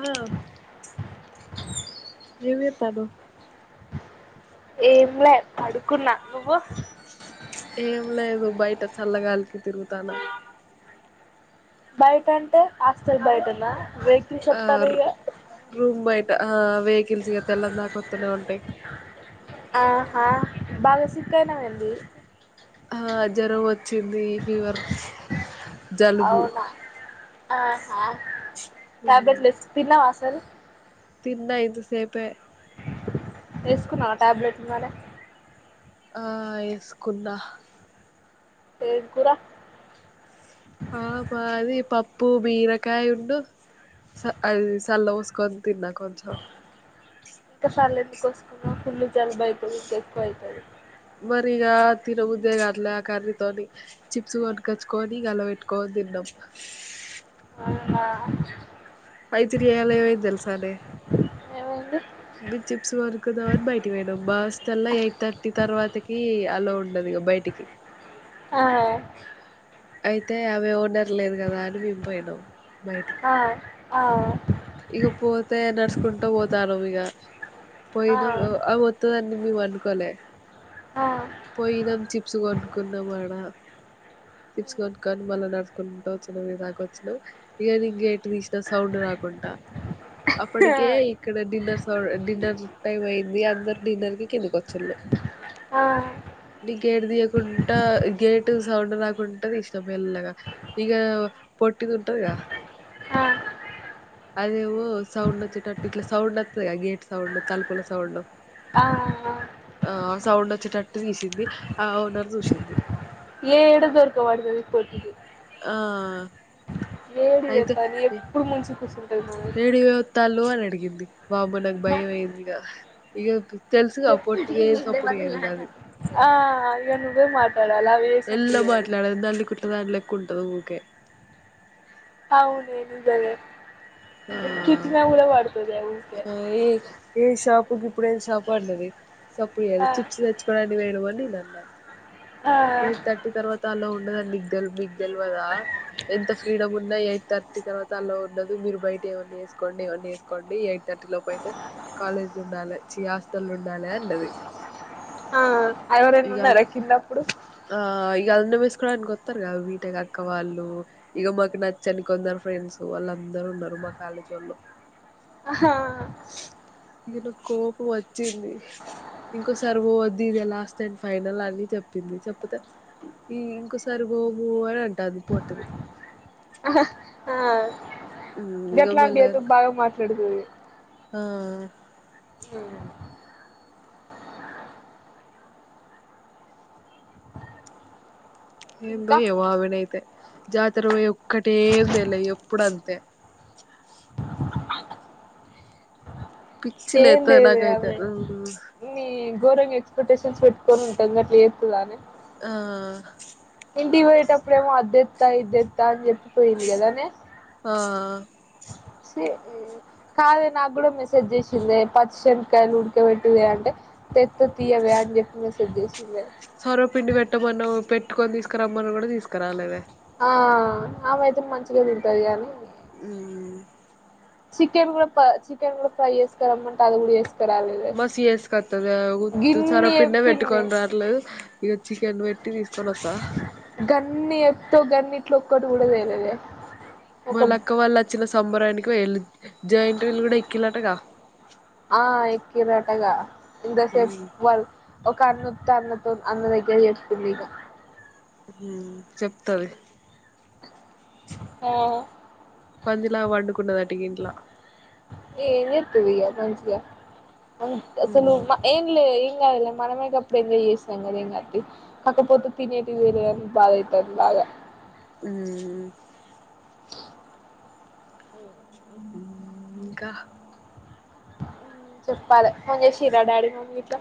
ఓ ఏమ్ ఎత్తళ్ళు ఏంలే పడుకున్నా నువ్వు ఏం లేదు బయట చల్లగాలికి తిరుగుతాన బయట అంటే హాస్టల్ బయటనా వెహికల్స్ ఆ వస్తారు ఇగ రూమ్ బయట ఆ వెహికల్స్ ఇగా తెల్లదాక వత్తానే ఉంటాయి. ఆహా బాగా సిక్ అయినా వెంది ఆ జ్వరం వ వచ్చింది ఫీవర్, జలుబు అవునా ఆహా ట్యాబ్లెట్లెస్ ఎస్ తిన్నావా అసలు తిన్నా ఇంత సేపే ఏసుకున్నావా టాబ్లెట్లు మరే ఆ ఏసుకున్నా ఏం కూరా ఆ మాది పప్పు బీరకాయ ఉన్ను అది సల్ల పోసుకోని తిన్నా కొంచం పోసుకున్నవ్ ఫుల్లు జల్బైతే ఇంకా ఎక్కువ అయితది. మరి ఇగా తినబుద్దే కాట్లా ఆ కర్రీతోని చిప్స్ పట్టు కోచ్చుకొని ఇగా అల్ల పెట్టుకొని తిన్నాం. అవునా ఐతే ఇయ్యాల ఏమైంది తెలుసానే ఏమైంది మెమ్ చిప్స్ కొనుకుందామని బయటకి పోయినాం. మా హాస్టల్లా ఎయిట్ థర్టీ తర్వాతకి అలో ఉ ఉండదు ఇగా బయటికి ఆహా అయితే ఆమె ఓనర్లేదు కదా అని మేం పోయినాం. ఆ ఆ ఇగా పోతే నడుచుకుంటా పోతానం. ఇగా ఆ పోయినం ఆమె వత్తాదని మేము అనుకోలే ఆ ఆ పోయినాం చిప్స్ కొనుక్కున్నాం. అడా చిప్స్ కొనుకుని మళ్ళా నడుచుకుంటా వచ్చినాం. ఇడిదాకా వచ్చినాం. ఇగా నేను గేటు తీసిన సౌండ్ రాకుంట అప్పటికే ఇక్కడ డిన్నర్ సౌండ్ డిన్నర్ టైమ్ అయి ఇగా అందరు డిన్నర్ కి కిందకు ఆహా నేను గేట్ తియ్యకుంట గేటు సౌండ్ రాకుంట తిసినా మెల్లగా ఇగా పొట్టిది ఉంటది కదా ఆ అదేమో సౌండ్ వచ్చెటట్టు ఇట్లా సౌండ్ వత్తది. కదా గేట్ సౌండ్, తలుపుల సౌండ్ ఆ ఆహా ఆ సౌండ్ వచ్చేటట్టు తీసింది. ఆ ఓనర్ చూసింది. ఎడదొర్క పడాతది ఈ పొట్టిది. ఆ ఏడి చెప్పని ఎప్పుడు ముంచి కూర్చరు ఏడివే ఉ తలు అని అడిగింది బాబా నాకు భయం అయిందిగా ఇగా ఎప్పుటి నిే మ ఆ నువే మా ఎల్ల మాట్లాడదు నల్లి కుట్ల దానీ లెక్క ఉంటా పట్ట ఊకె అవునుదిజలే ఆ తిట్టిన కూడా వాడుతడి అది ఏ ఏ షాపుకి ఇప్పుడే సాపడుండది సప్పుయదు ఆ చిప్స్ తెచ్చుకోడానికి వేయ అని నేను అన్నాను ఆ ఎయిట్ థర్టీ తర్వాత అల ఉ ఉిికు తెలివదా ఎంత ఫ్రీడమ్ ఉన్నా ఎయిట్ థర్టీ తర్వాత అలా ఉండదు మీరు బయట ఏవన్నన్నా వసుకోండి ఏవన్న వేసుకోండి ఎయిట్ థర్టీ లోపు అయితే కాలేజీ ఉండాలి చి హస్టల్ ఉండాలి అండది ఆ ఎవరైనా ఇగా ఉన్నారా కిందప్పుడు ఆఆ ఇగా అన్నం వేసుకోవడానికి వస్తారు కదా బీటెక్ అక్క వాళ్ళు ఇక మాకు నచ్చని కొందరు ఫ్రెండ్స్ వాళ్ళు అందరుూ ఉన్నారు మా కాలేజ్ వాళ్ళ ఆ ఇది నా కోపం వచ్చింది ఇంకోొసరి పో వద్ది ఇదే లాస్ట్ అండ్ ఫైనల్ అని చెప్పింది చెప్తే ఈ ఇంకోొసరి పోము అని అంటుంది పొట్టిది ఆ ఇంకా ఇగ ఎట్లా అంటిడి అదో మెల్లగా బాగా మాట్లాడుతుంది ఆ ఏందో ఇంకా ఏవో ఆమెనైతే జాతరమ ఒక్కటే తెలి ఎప్పుడు అంతే పిచ్చి ఏం లెట్టది నాకైతే గోరంగ ప్రొటేన్ పెట్టుకొనింటా అట్లే కులానే ఆ డివైట్ అ ప్రడేమో అదదిత్త ఇద ఎత్తాం చె పోయిందికదాన్నే ఆ సే కాదే నాకు కూడా మెసేజ్ చేసిందే పచ్చిశనకాయలు ఉడికాబెట్టితే అంటే తెత్త్త తీయవ అని చెప్పి మెసేజ్ చేసిందే సొరవపిిండి పెట్టమన్న పెట్టుకొని తీసుకురమ్మన్నా కూడా తీసుకురాలిదే ఆ ఆ అమైతే మంచిగా తింటది కాని హ్మ్మ్ చికెన్ కూడా చికెన్ కూడా ఫ్రై చేసుకురమ్మంటే అది కూడా వే మసివేసు కొత్తదా వద్దు సరే గిన్ని పిండ చెప్పింది పెట్టుకని రాలేదు ఇక చికెన్ వ గన్ని చెప్తావ్ గన్ని ఓక్కటి కూడా తేలేదే ఒక మళ్ళ అక్క వాళ్ళు వచ్చిన సంబరానికి వెళ్ళి జాయింట్ వీలు కూడా ఎక్కిల్లటగా ఆ ఎక్కిర్రటగా ఇంత సేపు వాళ్ళు ఒక అన్నతో అన్నతో అన్న దగ్గర చేసుకుంది ఇక ఉమ్ చెప్తది ఆ పందిలా పండుకున్నదంట ఇట్లా ఏ చేత్తివి ఇగ మంచిగ అసలు ఏన్లే ం కాదలే మనమేప్పుడు ఎంజాయ్ చేసాం కానీ ఎంగదు కాకపోతే తినేటి వేర బాధతారు బాగా ఉమ్ ఆ ఇంకా చెప్పాలి ఫోన్ చేసిరా డాడీ మమ్మీ ఇట్ల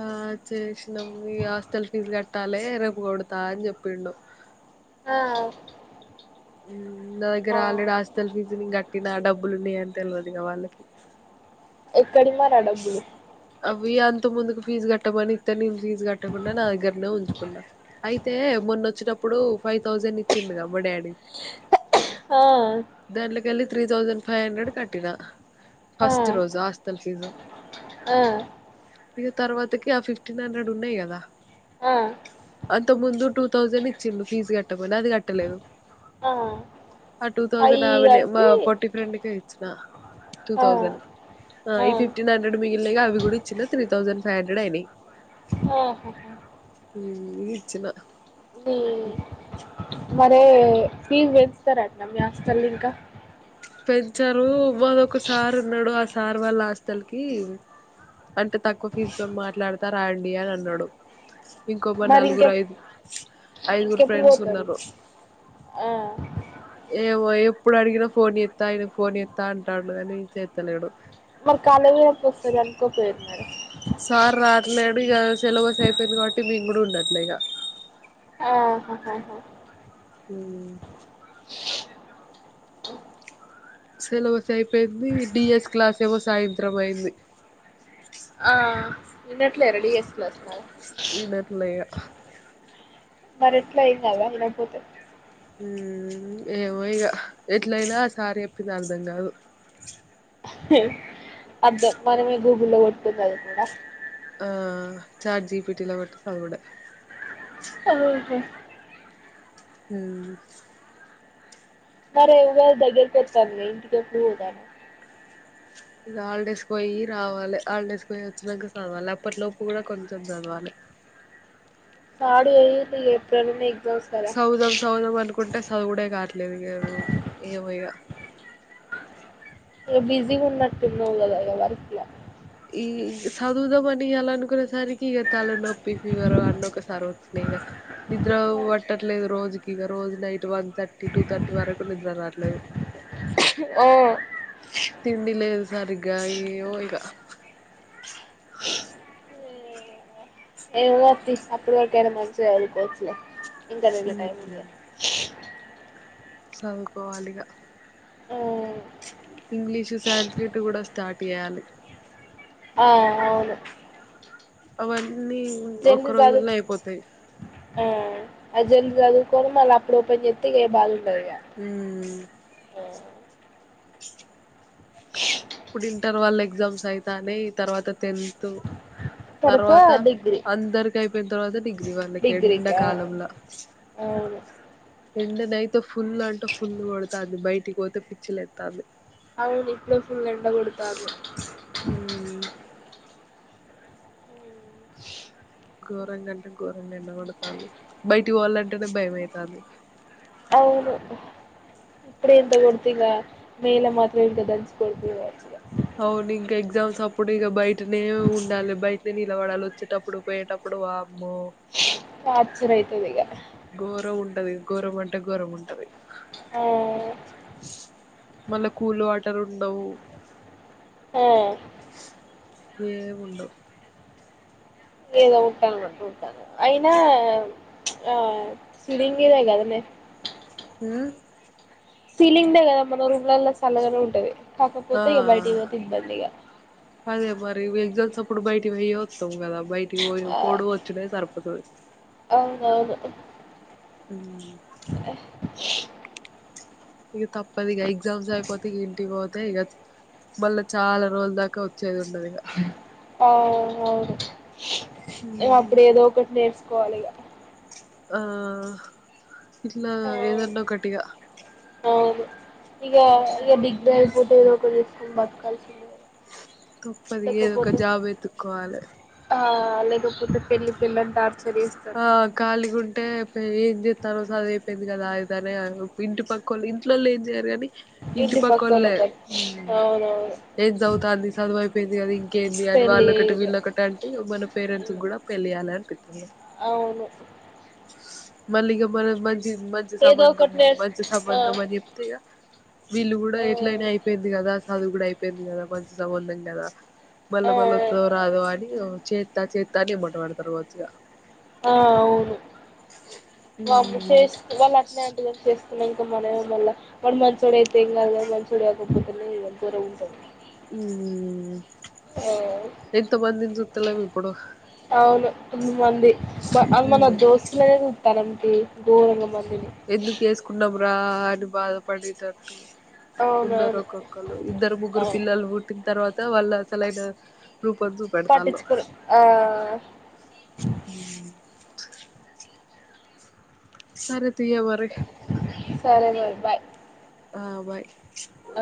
ఆ చేసినాం ఈ హాస్టల్ ఫీజు కట్టాలే రేపు కొడతా అని చెప్పిండు ఆ ఉమ్ నా దగ్గర మా ఆల్రెడి హస్పిటల్ ఫీస్ కట్టినా డబ్బు డబ్బులు ఉన్నాయి అంటే తెలవదుగా వాళ్ళకి కడీ మరి ఆ డబ్బులు ఇవి అంత ముందుకు ఫీజు కట్టమని తెలీదు ఫీజ్ కట్టకుండా నా దగ్గరనే ఉంచుకున్నా అయి అయితే మొన్న వచ్చినప్పుడు ఫైవ్ థౌజండ్ ఇచ్చిండు కబ ఆ దాంట్లో కెళ్ళి త్రీ థౌసండ్ ఫైవ్ హండ్రెడ్ కట్టిన ఆ ఫస్ట్ రోజు హాస్టల్ ఫీజు ఆ ఇక తర్వాతకి ఆ ఫిఫ్టీన్ హండ్రెడ్ ఉన్నాయి కదా ఆ ఇంతకు ముందు టూ థౌజండ్ ఇచ్చిండు ఫీజ్ కట్ట పునాది కట్టలేదు ఆ అ టూ థౌసండ్ అయి నావి ఉండే కలిపి పొట్టీ ఫ్రెండ్ కి ఇచ్చినా టూ ఆ థౌసండ్ ఆ ఈ ఫిఫ్టీన్ హండ్రెడ్ మిగిలినయి ఇగ అవి కూడా ఇచ్చిన త్రీ థౌసండ్ హండ్రెడ్ అయినయ్ ఓ హ ఉ ఇచ్చిన వి మరే ఫీజు పెంచుతారటన మీ హస్టల్ ల ఇంకా పెంచరు మాకొక సార్ ఉన్నాడు ఆ సార్ వాళ్ళ హాస్టల్కి అంత తక్కువ ఫీజుతో మాట్లాడత రండి అని అన్నాడు ఇంకో మా మరి ఇంకె నలుగురు ఐదుగు ఐదుగురు ఇంకెప్పుడు ఫ్రెండ్స్ పోతారు ఉన్నారు ఆ ఏమో ఇప్పుడు అడిగిన ఫోన్ చే ఆయన ఫోన్ చేత్తా అంటాడు గని చేత్తలేడు మరి కాలెజ్ ల వస్తదని కనుకోపోయారు మేడం సార్ రావట్లే ఇప్పుడు ఇగా సిలబస్ అయిపోయింది కాబట్టి మేం కూడా ఉండట్లే ఇగా ఆహాహహా ఉ సిలబస్ అయిపోయింది డిఎస్ క్లాస్ ఏమో సాయంత్రం అయింది వినట్లేరా డి ఎస్ ఇనట్లే ఇగ మరి ఎట్లా ఏం కాదా వినకపోతే మ్ ఏమో ఇగ ఎట్లయినా సార్ చెప్పింది అర్థం కాదు అర్థం మనమే గూగుల్లో కొట్టుకొని చదువుకుందాం ఆ చాట్ జీపిటీలో కొట్టి చదువుతూండే హలో మ్ సరే ఇగ దగ్గరికాస్తంది ఇంటికి ఎప్పుడు పోతానవ్ ఇక హాలిడేస్ కి పోయి రావాలి హాలిడేస్ కి పోయి వచ్చినంక చదవాలి అప్పటిలోపు కూడా కొంచెం చదవాలి థర్డ్ ఏ యి త్రి ఏప్రిల్ మే సదువుదాం సదువుదం అనుకుంటే సదువుడే కావట్లేదు ఇగ ఏమో ఇగా బిజీ ఉన్నట్టున్నవ్ కదా వర్క్ ల సదువుదాం అని ఇయాల అనుకునేసరికి ఇగ తల నొప్పి ఫివర్ అన్న ఒకసారి వస్త్ బెగా నిద్ర పట్టట్లేదు రోజుకిగా రోజు night one thirty two thirty వరకు నిద్రనట్లేదు ఆ తింలేదు సారగా ఈయ్యో ఇకా ఏతి అప్పుడు వకనా మనసకోవచ్చలే ఇంటర్వ్యూ టైమ్ ఉంది చదువుకోవాలిగా ఓ ఇంగ్లీషు శాల్రీట్ కూడా స్టార్ట్ చేయాలి ఆను అవువను అన్ని ఒక్క రోజుల్లో అయిపోతాయి ఆ అజెం చదువుకోని మళ అప్పుడుపని చెస్తగా బాగు ఉమ్ ఓ ఇప్పుడు ఇంటర్వాల్ ఎగ్జామ్స్ అయితాని తర్వాత టెన్త్ తర్వాత అందరికి అయిపోయిన తర్వాత డిగ్రీ వాళ్ళకి డిగ్రీకా ఎండాకాలంలో అవును ఎండనయతుూ ఫుల్ అంటూ ఫుల్ కొడుతుంది బయట కోతు పిచ్చలు ఎత్తాదు అవుడి ఇ ఫుల్ ఎండ కొతారు ఉమ్ ఘోరంగాంటే ఘోరంగా ఎండగడతా బయటికి వాళ్ళంటేనే భయమవుతుంది అవును ఇప్పుడ ఎంత తగడతగా మేల మాత్రం ఇంత దంచకోడతచ్చ అవును ఇంకా ఎగ్జామ్స్ అప్పుడు ఇగా బయ నే ఉండాలి బయస పిలవడాలు వచ్చేటప్పుడు పోయేటప్పుడు వా స అతుందిగ ఘోరం ఉంటది ఘోరం అంటే ఘోరం ఉంటది ఆ మళ్ళా కూల్ వాటర్ ఉండవు ఆ ఏముండ లేదో ఉంటాన అనమాట ఉంటాను అయినా ఆ సిరింగదే కదనే ఆ సీలింగ్రే కదా మన రూమ్లలో చల్లగానే ఉంటది ఆ కాకపోతే ఇ బయట ఇవ తింద బందగా అదే మరి ఎగ్జామ్స్ అప్పుడు బయటి పోయయి వస్తాం కదా బయటికి పోయి ఆ పోడు వచ్చుడ సరిపోతుంది అవునవును ఉమ్మ్ [inaudible] ఇగ తప్పదు. ఇగ ఎగ్జామ్స్ అయిపోతే, ఇగ ఇంటికి పోతే, ఇగ మళ్లా చాలా రోజుల దాకా వచ్చేది ఉం. ఆ అవును. అప్పుడేదో ఒకటి నేర్చు. కోవాలిగా! ఆ ఇట్లా, ఆ ఏదన్నా ఒకటిగా అవును ఇగ, ఇగ డిగ్రీ ఐపోతే, ఏదో ఒకటి చేసుకొని బతకాల్సిందే. తప్పదు ఇగ, ఏదో ఒక లేకపోతే జాబ్ వెతుక్కోవాలి. ఆ లేకపోతే పెళ్ళి, పెళ్ళిఅని టార్చ ఆ, ఖాళీగుంటే ఎప్ ఏం చెస్తానవు? రోజు చదువు అయిపో అయిపోయింది కదా, అయితర్లే అని [unintelligible] ఇంటి పక్కలే, ఇంట్లోలు ఏం జేయరు కానీ. ఇంటి పక్కోళ్లు, హ్మ్. అవునవును ఏం జవుతంది? సదువు అయిపోయింది కదా, ఇంకేంది అని. పెళ్ళి వాళ్లు ఒకటి, వీళ్లు ఒకటే అంటే, ఇగ మన పేరెంట్స్ గూడ పెళ్లి అలర. పితింది. అవును. మళ్లీ ఇగ మనం మంచ. ఇది మంచి ఏదో సంబంధం ఒకటి నేర్చు మంచి, ఆ సంబంధం అని జెప్తే ఇగ. వీళ్లు గూడా, ఆ ఎట్లయినా అయిపోయింది కదా. సదువు గూడా అయిప పెళ్లి కదా, మంచి సంబంధం కదా? మల్లా ఆ మల్లా ఒత్తదో రాదో అని, ఇగ చేత్. అంత చేతర్ లే అన్, ! ! ! ! ! ! ! ! ! ! కావచ్చు ఇగ. ఆ అవును. వామో, మ్మ్ చేస్తే వాళ్లు అతనే అంటా చేస్ చేస్తే. ఉన్నా ఇంకా మనే మల్లా, వాడు మంచోడు అయితే ఏం గాదు గానీ, మంచోడు కాకపోతేనే ఇంకోరే ఉంటది. ఉూఊ. ఎంత మందిని జూతలేం ఇప్పుడు? కమింగ్. మంది మా అన్, మన దోస్తులే తానం. ఎయ్, ఘోరంగా మోన్. ఎందుకు ఏసుకున్నావు? బ్రాడ్ బాధ పడి, ఇటు ఒత్తూ. ఉన్నారు అవునవును ఒక్కొక్కలు ఇద్దరు, ఆ ముగ్గురు పిల్లలు పుట్టిన తర్వాత. తో వాళ్ళ అసలైన రూపం చూపెడతాళ్ళు పట్టిచ్చుకురు ఆ సరే తియవరి సరే మరి బాయ్ ఆ బాయ్ ఆ